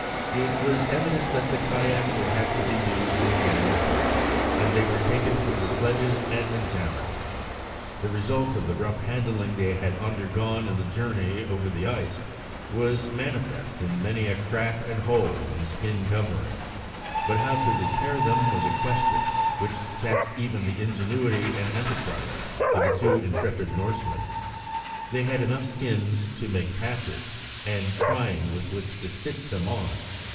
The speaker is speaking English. It was evident that the kayaks would have to be used in getting across, and they were taken from the sledges and examined. The result of the rough handling they had undergone in the journey over the ice was manifest in many a crack and hole in the skin covering, but how to repair them was a question which taxed even the ingenuity and enterprise of the two intrepid Norsemen. They had enough skins to make patches, and twine with which to stitch them on.